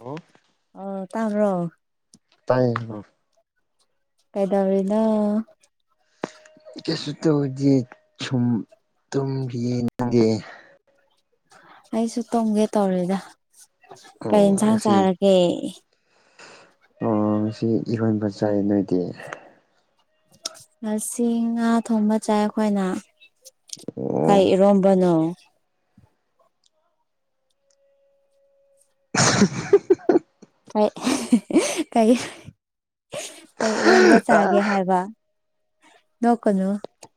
hello ꯇꯥꯕ꯭ꯔꫭ ꯇꯥꯏꯌꯦ ꯀꯩꯗꯕꯔꯤꯅ ꯀꯩꯁꯨ ꯇꯧꯗꯤꯨꯝ ꯇꯨꯝꯔꯤꯌꯦ ꯅꯗꯦ ꯑꯩꯁꯨ ꯇꯨꯝꯒꯦ ꯇꯧꯔꯦꯗ ꯀꯩ ꯑꯣ ꯌꯦꯟꯁꯥꯡ ꯉꯁꯤ ꯆꯥꯔꯒꯦ ꯑꯣ ꯁꯤ ꯏꯔꯣꯟꯕ ꯆꯥꯏ ꯅꯣꯏꯗꯤ ꯉꯁꯤ ꯉꯥ ꯊꯣꯡꯕ ꯆꯥꯏ ꯑꯩꯈꯣꯏꯅ ꯑꯣ ꯀꯥꯏꯔꯣꯝꯕꯅꯣ [inaudible] ꯀꯥꯏ ꯀꯥꯏ ꯀꯩꯔꯣꯝꯒ ꯆꯥꯒꯦ ꯑꯩꯈꯣꯏ ꯍꯥꯏꯕ ꯅꯣꯛꯀꯅꯨ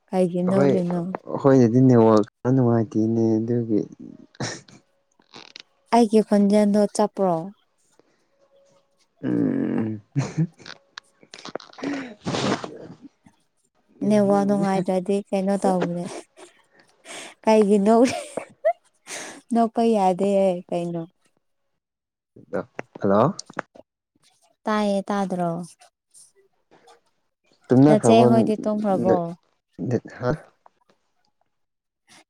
ꯀꯩꯒꯤ ꯍꯣꯏ ꯅꯣꯛꯔꯤꯅꯣ ꯍꯣꯏꯅꯗꯤ ꯅꯦꯠꯋꯥꯛ ꯅꯨꯡꯉꯥꯏꯇꯦꯅꯦ ꯑꯗꯨꯒꯤ ꯑꯩꯒꯤ ꯈꯣꯟꯖꯦꯜꯗꯣ ꯆꯠꯄ꯭ꯔꯣ ꯎꯝ ꯅ ꯋꯥ ꯅꯨꯡꯉꯥꯏꯗ꯭ꯔꯗꯤ ꯀꯩꯅꯣ ꯇꯧꯕꯅꯦꯦ ꯀꯩꯒꯤ ꯅ ꯅꯧ ꯀꯣꯏ ꯌꯥꯗ ꯀꯩꯅ ꯍꯜꯂꯣ ꯇꯥꯏꯌꯦ ꯇꯥꯗ꯭ꯔꯣ ꯇꯅ ꯅꯆꯦ ꯐ꯭ꯔꯕ ꯍꯣꯏꯗꯤ ꯇꯨꯝꯈ꯭ꯔꯕꯣ ꯍꯥ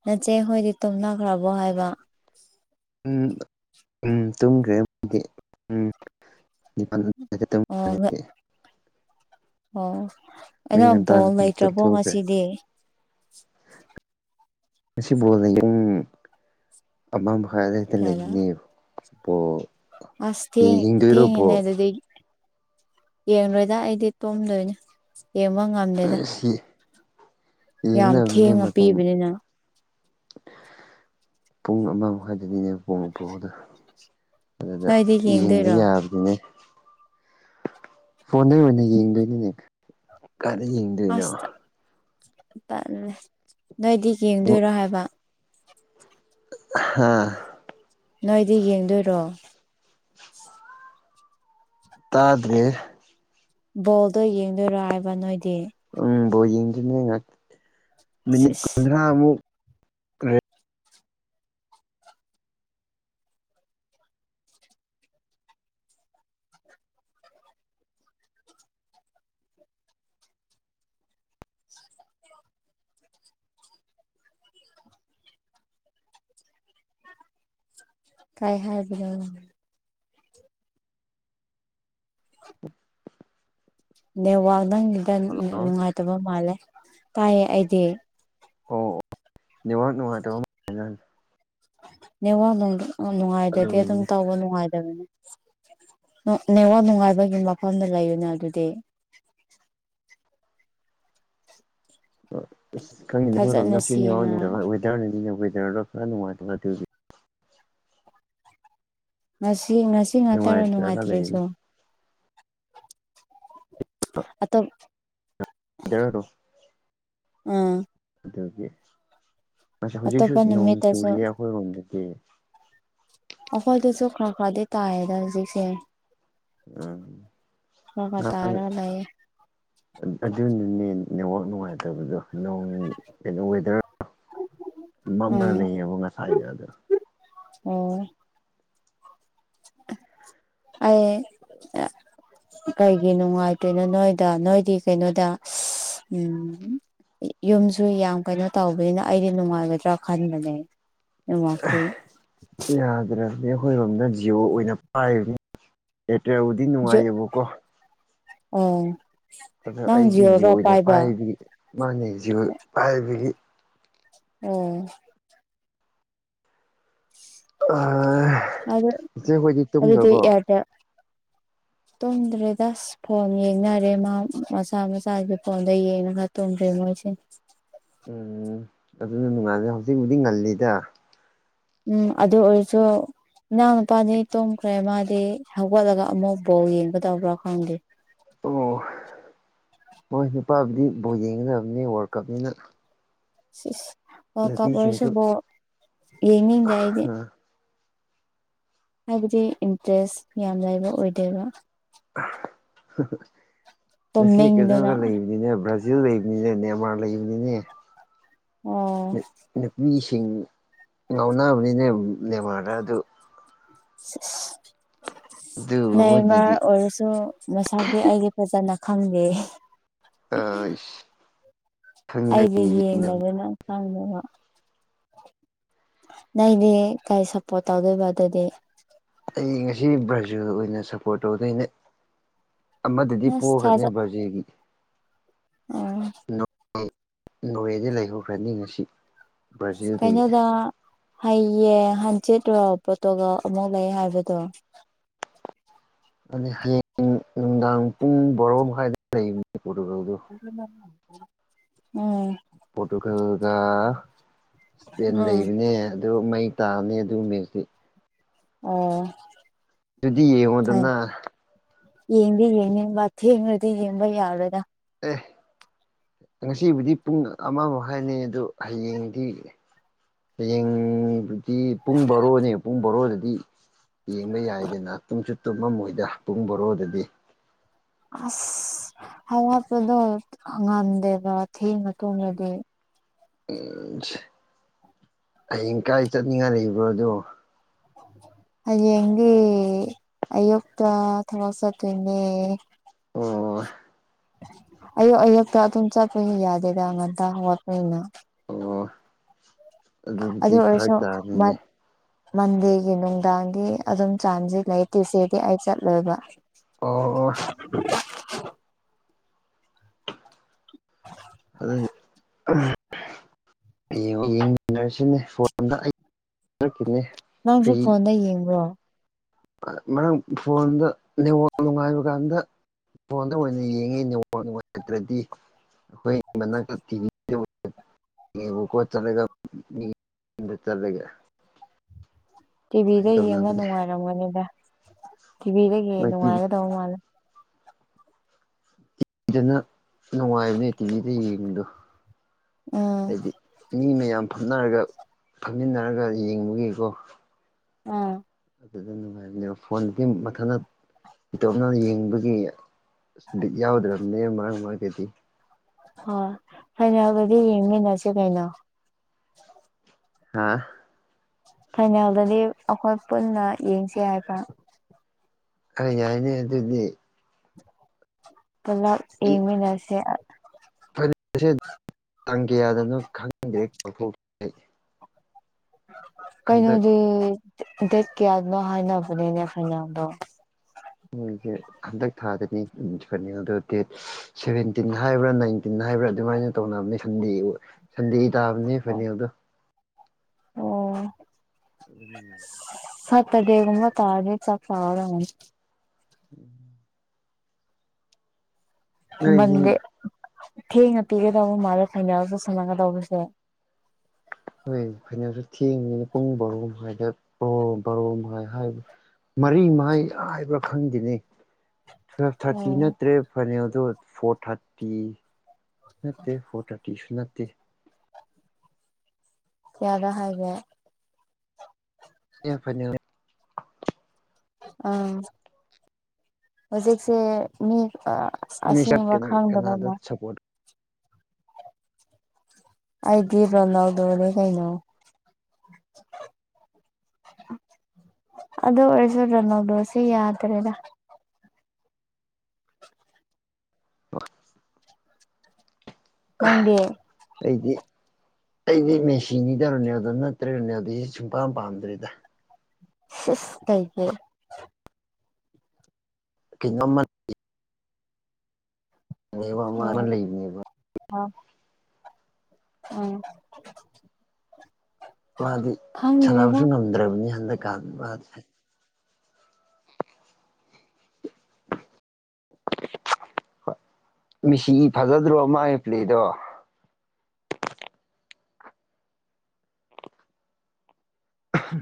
ꯅꯆꯦꯈꯣꯏꯗꯤ ꯇꯨꯝꯅꯈ꯭ꯔꯕꯣ ꯍꯥꯏꯕ ꯎꯝ ꯎꯝ ꯇꯨꯝꯈ꯭ꯔꯦꯗꯤ ꯎꯝꯅꯤꯄꯜ ꯑꯣ [inaudible] ꯑꯣ ꯑꯩꯅ ꯕꯣꯜ ꯂꯩꯇ꯭ꯔꯕꯣ ꯉꯁꯤꯗꯤ ꯉ ꯣꯜꯅꯤ ꯅꯪ ꯑꯃ ꯈ꯭ꯋꯥꯏ ꯑꯗꯨꯋꯥꯏꯗ ꯀꯌꯥꯗ ꯂꯩꯅꯦꯕꯣ ꯑꯁ ꯊꯦꯡ ꯊꯦꯡꯅꯤꯅ ꯑꯗꯨꯗ ꯌꯦꯡꯣꯏꯗ ꯑꯩꯗꯤ ꯇꯣꯝꯗꯣꯏꯅꯦ ꯌꯦꯡꯕ ꯉꯝꯗꯣꯏꯦꯗ ꯑꯁ ꯌꯥꯝ ꯌꯦꯡꯒꯗꯕꯅꯦ ꯊꯦꯡꯉ ꯃꯇꯝ ꯄꯤꯕꯅꯤꯅ ꯄꯨꯡ ꯑꯃ ꯃꯈꯥꯏꯗꯗꯤꯅꯦ ꯄꯨꯡ ꯑꯐꯥꯎꯗ ꯑꯗꯨꯗ ꯅꯣꯏꯗꯤ ꯌꯦꯡꯕ ꯌꯦꯡꯗꯣꯏꯔꯣ ꯌꯥꯕꯗꯨꯅꯦ ꯐꯣꯟꯗ ꯑꯣꯏꯅ ꯌꯦꯡꯗꯣꯏꯅꯤꯅꯦ ꯀꯥꯏꯅ ꯌꯦꯡꯗꯣꯏꯅꯣ ꯠ ꯅꯣꯏꯗꯤ ꯌꯦꯡꯗꯣꯏꯔꯣ ꯍꯥꯏꯕ ꯍꯥꯥ ꯅꯣꯏꯗꯤ ꯌꯦꯡꯗꯣꯏꯔꯣ ꯇꯗ꯭ꯔꯦ ꯕꯣꯜꯗꯣ ꯌꯦꯡꯗꯣꯏꯔꯣ ꯍꯥꯏꯕ ꯅꯣꯏꯗꯤ ꯎꯝꯕꯣ ꯌꯦꯡꯁꯤꯅꯦ ꯉꯥꯛ ꯃꯤꯅꯤꯠ ꯁꯤꯁ ꯀꯨꯟꯊ꯭ꯔꯥꯃꯨꯛ ꯑ ꯀꯥꯏ ꯍꯥꯏꯗꯅꯣ ꯅꯦ ꯋꯥꯥꯛ ꯅꯪꯒꯤꯗ ꯍꯜꯂꯣ ꯅꯨꯡꯉꯥꯏꯇꯕ ꯃꯥꯜꯂꯦ ꯇꯥꯏꯌꯦ ꯑꯩꯗꯤ ꯑꯣ ꯑꯣ ꯕꯥꯛ ꯅꯨꯡꯉꯥꯏꯇꯕ ꯅ ꯋꯥ ꯅꯨꯡꯉꯥꯏꯖꯗꯤ ꯑꯗꯨꯝ ꯑꯗꯨꯒꯤꯅꯤꯅꯦ ꯇꯧꯕ ꯅꯨꯡꯉꯥꯏꯇꯕꯅꯦ ꯅꯦꯋꯥꯜ ꯅꯨꯡꯉꯥꯏꯕꯒꯤ ꯃꯐꯝꯗ ꯂꯩꯌꯅꯦ ꯑꯗꯨꯗꯤ ꯑꯁ ꯈꯪꯉꯤꯗꯔꯣ ꯐꯖꯅ ꯅ ꯁꯦꯡꯅ ꯁꯤꯋ ꯔꯗ ꯁ ꯅꯨꯡꯉꯥꯏꯇꯂ ꯊ ꯉꯁꯤ ꯉꯁꯤ ꯉꯥꯛꯇꯔꯣ ꯅꯨꯡꯉꯥꯏꯇ꯭ꯔꯒ ꯂꯩ ꯅꯨꯡꯉꯥꯏꯇ꯭ꯔꯦꯁꯨ ꯑꯇꯣ ꯗꯔ ꯑꯗꯨ ꯎꯝ ꯑꯗꯨꯒꯤ ꯍꯧꯖꯤꯛꯁꯨ ꯑꯇꯣꯞꯄ ꯅꯣꯡ ꯅꯨꯃꯤꯠꯇꯁꯨ ꯆꯨꯔꯤꯌꯦ ꯑꯩꯈꯣꯏꯔꯣꯝꯗꯗꯤ ꯑꯩꯈꯣꯏꯗꯁꯨ ꯈꯔ ꯈꯔꯗꯤ ꯇꯥꯏꯌꯦꯗ ꯍꯧꯖꯤꯛꯁꯦ ꯎꯝ ꯍ ꯍ ꯇꯔꯣ ꯂꯩꯌꯦ ꯑꯗꯨꯅꯅꯦ ꯅꯦꯠꯋꯥꯛ ꯅꯨꯡꯉꯥꯏꯇꯕꯗꯣ ꯀꯩꯅ ꯋꯦꯗꯔ ꯃꯝꯅ ꯎꯝ ꯂꯩꯌꯦꯕꯨ ꯉꯁꯥꯏꯅꯗ ꯑꯣ [inaudible] ꯑ ꯀꯩꯒꯤ ꯅꯨꯡꯉꯥꯏꯇꯣꯏꯅꯣ ꯅꯣꯏꯗ ꯅꯣꯏꯗꯤ ꯀꯩꯅꯣꯗ ꯎꯝ ꯌꯨꯝꯁꯨ ꯌꯥꯝ ꯀꯩꯅꯣ ꯇꯧꯕꯅꯤꯅ ꯑꯩꯗꯤ ꯅꯨꯡꯉꯥꯏꯒꯗ꯭ꯔꯥ ꯈꯟꯕꯅꯦ ꯌ ꯀ ꯑ ꯑꯩꯈꯣꯏꯔꯣꯝꯗ ꯖꯤꯑꯣ ꯑꯣꯏꯅ ꯄꯥꯏꯕꯅꯤ ꯑꯦꯌꯥꯔꯇꯦꯜꯕꯨꯗꯤ ꯅꯨꯡꯉꯥꯏꯌꯦꯕꯀꯣ ꯎꯝ ꯑꯗꯨꯗꯣ ꯑꯩꯒꯤ ꯖꯤ ꯑꯣꯏꯅ ꯄꯥꯏꯕꯒꯤ ꯃꯥꯅ ꯖꯤꯣꯏ ꯄꯥꯏꯕꯒꯤ ꯎꯝ ꯑ ꯑꯗꯨ ꯏꯆꯦ ꯑꯩꯈꯣꯏꯗꯤ ꯇꯨꯝꯈ꯭ꯔꯕꯣ ꯇꯨꯝꯗ꯭ꯔꯦ ꯗꯁ ꯐꯣꯟ ꯌꯦꯡꯅꯔꯦ ꯃꯥ ꯃꯆꯥ ꯃꯆꯥꯒꯤ ꯐꯣꯟꯗꯣ ꯌꯦꯡꯉꯒ ꯇꯨꯝꯗ꯭ꯔꯦ [unintelligible] ꯎꯝ ꯑꯗꯨꯅ ꯅꯨꯡꯉꯥꯏꯖꯩ ꯍꯧꯖꯤꯛꯕꯨꯗꯤ ꯉꯜꯂꯤꯗ ꯎꯝ ꯑꯗꯨꯗ ꯑꯣꯏꯁꯨ ꯏꯅꯥꯎꯅꯨꯄꯥꯗꯤ ꯇꯨꯝꯈ꯭ꯔꯦ ꯃꯥꯗꯤ ꯍꯧꯒꯠꯂꯒ ꯑꯃꯨꯛ ꯕꯥꯎ ꯌꯦꯡꯒꯗꯧꯕ꯭ꯔꯥ ꯈꯪꯗꯦ ꯑꯣ ꯍꯣꯏ ꯅꯨꯄꯥꯕꯨꯗꯤ ꯕꯣ ꯌꯦꯡꯒꯗꯕꯅꯦ ꯋꯥꯔꯜ ꯀꯞꯅꯤꯅ ꯁꯤꯁ ꯋꯥ ꯀꯞ ꯅꯨꯄꯤꯁꯤꯡꯁꯨ ꯑꯣꯏꯔꯁꯨꯕꯣ ꯌꯦꯡꯅꯤꯡꯗꯦ ꯑꯩꯗꯤ ꯍꯥꯏꯕꯗꯤ ꯏꯟꯇꯔꯦꯁ ꯌꯥꯝ ꯂꯥꯏꯕ ꯑꯣꯏꯗꯦꯕ ꯉꯁꯤ ꯀꯩꯗꯧꯗ ꯇꯨꯝꯅꯤꯡꯗꯅ ꯂꯩꯕꯅꯤꯅꯦ ꯕ꯭ꯔꯥꯖꯤ ꯁꯤꯁꯨ ꯂꯩꯕꯅꯤꯅꯦ ꯅꯦꯃꯥꯔ ꯂꯩꯕꯅꯤꯅꯦ ꯑꯣ ꯅꯨꯄꯤꯁꯤꯡ ꯉꯥꯎꯅꯕꯅꯤꯅꯦ ꯂꯦꯕꯔꯗ ꯑꯗꯨ ꯁꯁ ꯅꯃ ꯑꯗꯨꯒꯨꯝꯕꯗꯨꯗꯤ ꯑꯣꯏꯔꯁꯨ ꯃꯁꯥꯗꯤ ꯑꯩꯒꯤ ꯐꯖꯅ ꯈꯪꯗꯦ ꯑꯥ ꯏꯁ ꯑꯩꯗꯤ ꯌꯦꯡꯗꯅ ꯈꯪꯗꯅꯕ ꯅꯅꯦ ꯀꯔꯤ ꯁꯞꯄꯣꯔꯠ ꯇꯧꯗꯣꯏꯕ ꯑꯗꯨꯗꯤ ꯑꯩ ꯉꯁꯤ ꯚꯔꯖꯨꯋꯦꯜ ꯑꯣꯏꯅ ꯁꯄꯣꯔꯠ ꯇꯧꯗꯣꯏꯅꯦ ꯑꯃꯗꯗꯤ ꯄꯈ꯭ꯔꯅꯤ ꯕꯔꯖꯤꯒꯤ ꯎ ꯅꯣꯔꯋꯦꯗ ꯂꯩꯍꯧꯈ꯭ꯔꯗꯤ ꯉ ꯑꯁꯤ ꯀꯩꯅ ꯑꯣꯗ ꯍꯩꯌꯦ ꯆꯦꯠꯇ ꯄꯣꯠꯇꯣꯒ ꯑꯃꯨꯛ ꯂꯩ ꯍꯥꯏꯕꯗꯣ ꯑ ꯍꯌꯦꯡ ꯅꯨꯡꯗꯥꯡ ꯄꯨꯡ ꯕꯣꯔꯣ ꯃꯈꯥꯏꯗ ꯂꯩꯕ ꯑꯗꯨ ꯄꯣꯔꯇꯨꯒꯜꯒ ꯏꯁꯄꯦꯟ ꯎꯝ ꯂꯩꯕꯅꯦ ꯑꯗꯨ ꯃꯩ ꯇꯥꯅꯤ ꯑꯗꯨꯒ ꯃꯗꯤ ꯑꯣ ꯑꯗꯨꯗꯤ ꯌꯦꯉꯗꯅ ꯌꯦꯡꯕꯤ ꯌꯦꯅꯦꯕ ꯊꯡꯗꯤ ꯌꯦꯡꯕ ꯌꯥꯎꯗ ꯇꯦ ꯉꯁꯤꯕꯨꯗꯤ ꯄꯨꯡ ꯑꯃ ꯃꯈ ꯍꯥꯏꯥꯏꯅꯤ ꯑꯗꯨ ꯍꯌꯦꯡꯗꯤ ꯍꯌꯦꯡꯗꯨꯗꯤ ꯄꯨꯡ ꯕꯥꯣꯔꯣꯅꯦ ꯄꯨꯡ ꯕꯥꯣꯔꯣꯗꯗꯤ ꯌꯦꯡꯕ ꯌꯥꯏꯗꯅ ꯇꯨꯝꯁꯨ ꯇꯨꯝꯃ ꯃꯣꯏꯗ ꯄꯨꯡ ꯕꯣꯔꯣꯗꯗꯤ ꯑꯁ ꯑꯋꯥꯠꯄꯗꯣ ꯉꯝꯗꯦꯕ ꯊꯤ ꯃꯇꯨꯡꯗꯗꯤ ꯎꯝ ꯍꯌꯤꯡ ꯀꯥꯏ ꯆꯠꯅꯤꯡꯉꯥꯏ ꯂꯩꯕ꯭ꯔꯣꯗꯣ ꯑ ꯌꯦꯪꯦ ꯑꯛꯇꯛꯇ ꯊꯋꯥꯁ ꯇꯅꯦ ꯑꯣ ꯑꯌꯨꯛ ꯑꯌꯨꯛꯇ ꯑꯗꯨꯝ ꯆꯠꯄꯅꯤ ꯌꯥꯗꯦꯗ ꯉꯇ ꯋꯥꯠꯄꯅꯤꯅ ꯑꯣ ꯑꯗꯨꯕꯨꯗꯤ ꯑꯗꯨ ꯐꯔ ꯑꯣꯏꯔꯁꯨ ꯇꯥꯅꯤꯅꯦ ꯃꯟꯗꯦꯒꯤ ꯅꯨꯡꯗꯥꯡꯒꯤ ꯑꯗꯨꯝ ꯆꯥꯟꯁ ꯂꯩ ꯇ꯭ꯌꯨꯁꯗꯦꯗꯤ ꯑꯩ ꯆꯠꯂꯣꯏꯕ [inaudible] ꯑꯣ ꯑꯣ ꯑꯗꯨ ꯌꯦꯡꯃꯤꯟꯅꯔꯁꯤꯅꯦ ꯐꯣꯟꯝꯗ ꯑꯩꯛꯈꯤꯅꯦ ꯅꯪꯁꯨ ꯐꯣꯟꯗ ꯌꯦꯡꯕ꯭ꯔꯣ ꯃꯔꯝ ꯐꯣꯟꯗ ꯅꯦꯋꯥꯛ ꯅꯨꯡꯉꯥꯏꯕ ꯀꯥꯟꯗ ꯐꯣꯟꯗ ꯑꯣꯏꯅ ꯌꯦꯡꯉꯤ ꯅꯦꯋ ꯐ ꯑꯣꯏꯔꯗ꯭ꯔꯗꯤ ꯑꯩꯈꯣꯏ ꯃꯅꯥꯛꯇ ꯇꯤꯚꯤ ꯅꯕꯨ ꯀꯣ ꯆꯂꯒ ꯃꯤ ꯆꯂꯒ ꯇꯤꯚꯤꯗ ꯌꯦꯡꯉ ꯅꯨꯡꯉꯥꯏꯔꯝꯒꯅꯤꯗ ꯄꯤꯕꯤꯔꯒꯦ ꯃꯣꯏ ꯇꯤꯚꯤ ꯅꯨꯡꯉꯥꯏꯒꯗꯧ ꯃꯥꯜꯂꯦ ꯇꯤꯚꯗꯅ ꯅꯨꯡꯉꯥꯏꯕꯅꯦ ꯇꯤꯚꯗ ꯌꯦꯡꯕꯗꯣ ꯎꯝ ꯍꯥꯏꯗꯤ ꯃꯤ ꯃꯌꯥꯝ ꯐꯝꯅꯔꯒ ꯐꯝꯃꯤꯟꯅꯔꯒ ꯌꯦꯡꯕꯒꯤꯀꯣ ꯑꯥ ꯑꯗꯨꯗ ꯅꯨꯡꯉꯥꯏꯕꯅꯦꯕ ꯐꯣꯟꯗꯗꯤ ꯃꯊ ꯏꯇꯣꯝꯅꯅ ꯌꯦꯡꯕꯒꯤꯛ ꯌꯥꯎꯗ꯭ꯔꯕꯅꯦ ꯃꯔꯛ ꯃꯔꯛꯇꯗꯤ ꯍꯣꯏ ꯍꯥꯏꯩꯅꯒꯗꯤ ꯌꯦꯡꯃꯤꯟꯅꯁꯤ ꯀꯩꯅꯣ ꯍꯥꯥ ꯐꯅꯦꯜꯗꯗꯤ ꯑꯩꯈꯣꯏ ꯄꯨꯟꯅ ꯌꯦꯡꯁꯤ ꯍꯥꯏꯕ ꯑ ꯌꯥꯇꯗꯤ ꯄꯨꯂꯞ ꯌꯦꯡꯃꯤꯟꯅꯁꯦ ꯀꯌꯥꯗꯅꯣ ꯈꯪꯅꯤꯡꯗ꯭ꯔꯦꯊꯣꯛ ꯀꯩꯅꯣꯗꯤ ꯗꯦꯠ ꯀꯌꯥꯗꯅꯣ ꯍꯥꯏꯅꯕꯅꯤꯅꯦ ꯐꯩꯅꯥꯜꯗꯣ ꯃꯣꯏꯁꯦ ꯍꯟꯗꯛ ꯊꯥꯗꯅꯤ ꯑꯗꯨ ꯗꯦꯠ ꯁꯚꯦꯟꯇꯤꯟ ꯍꯥꯏꯕ꯭ꯔꯥ ꯅꯥꯏꯟꯇꯤꯟ ꯍꯥꯏꯕ꯭ꯔꯥ ꯑꯗꯨꯃꯥꯏꯅ ꯇꯅꯦꯟꯗꯦ ꯁꯟꯗꯦ ꯇꯥꯕꯅꯦ ꯐꯅꯦꯗꯣ ꯑꯣ ꯑꯗꯨꯥꯏ ꯁꯠꯇ ꯗꯦꯒꯨꯝꯕ ꯇꯥꯔꯗ ꯆꯔ ꯎꯝ ꯅꯣꯏꯗꯤ ꯃꯗꯦ ꯊꯦꯡꯅ ꯄꯤꯒꯦ ꯇꯧꯕ ꯃꯥꯜꯂꯦ ꯐꯩꯅꯥꯜ ꯆ ꯁꯃꯒ ꯇꯧꯕꯁꯦ ꯍꯣꯏ ꯐꯅꯁꯨ ꯊꯦꯡꯉꯅꯤꯅ ꯄꯨꯡ ꯕꯥꯔꯣ ꯍꯥꯏꯗ ꯑꯣ ꯕꯔꯣ ꯃꯈꯥꯏ ꯍꯥꯏꯕ꯭ꯔ ꯃꯔꯤ ꯃꯍꯥꯏ ꯍꯥꯏꯕ꯭ꯔꯥ ꯈꯪꯗꯦꯅꯤ ꯇꯨꯋꯦꯜꯞ ꯊꯥꯔꯇꯤ ꯑꯣ ꯅꯠꯇ꯭ꯔꯦ ꯐꯅꯗꯣ ꯐꯣꯔ ꯊꯥꯔꯇꯤ ꯅꯠꯇꯦ ꯐꯣꯔ ꯊꯥꯔꯇꯤ ꯇꯌꯁꯨ ꯅꯠꯇꯦ ꯀꯌꯗ ꯍꯥꯏꯕꯔꯥ ꯌꯦ ꯐꯅꯦ ꯑ ꯍꯧꯖꯤꯛꯁꯦ ꯃꯤ ꯑ ꯑꯁꯦꯡꯕ ꯈꯪꯗꯕ ꯑꯃ ꯀꯅꯥꯗ ꯁꯞꯄꯣꯔꯠ ꯑꯩꯗꯤ ꯔꯣꯅꯥꯎꯗꯣꯅꯦ ꯀꯥꯏꯩꯅꯣ ꯑꯗꯣ ꯑꯣꯔꯖ ꯔꯣꯅꯥꯜꯗꯣ ꯁꯦ ꯌꯥꯗꯔ꯭ꯦꯗꯥ [inaudible] ꯅꯪꯗꯤ ꯑꯩꯗꯤ ꯑꯩꯗꯤ ꯃꯦꯁꯤꯅꯤꯗ ꯔꯣꯅꯥꯂꯗꯣ ꯅꯠꯇꯔ꯭ꯦ ꯔꯣꯅꯥꯂꯗꯣꯗꯤ ꯁꯨꯛꯄꯥꯝ ꯄꯥꯝꯗ꯭ꯔꯤꯗ ꯁꯤꯁ ꯀꯩꯒꯤ ꯀꯩꯅꯣꯝꯅꯤ ꯎꯝ ꯑ [unintelligible] ꯎꯝ ꯃꯥꯗꯤ ꯈꯪꯗ꯭ꯔꯦꯗ ꯁꯥꯟꯅꯕꯁꯨ ꯉꯝꯗ꯭ꯔꯕꯅꯤ ꯍꯟꯗꯛꯀꯥꯟ ꯃꯥꯗꯤ ꯍꯥꯏ [inaudible] ꯃꯤꯁꯤ ꯐꯖꯗ꯭ꯔꯣ ꯃꯥ ꯄ꯭ꯂꯗꯣ ꯑꯍ